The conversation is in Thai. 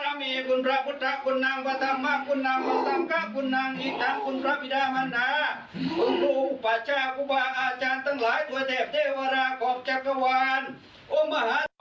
ภาระเมฆคุณพระพุทธคุณนามพระธรรมะคุณนามพระสังข้าคุณนางอีธังคุณพระพิดามัณฑา